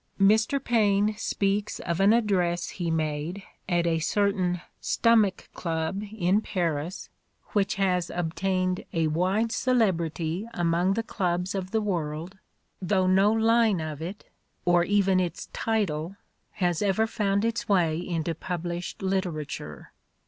Mr. Paine speaks of an address he made at a certain "Stomach Club" in Paris which 1 86 The Ordeal of Mark Twain has "obtained a wide celebrity among the .clubs of the world, though no line of it, or even its title, has ever found its way into published literature."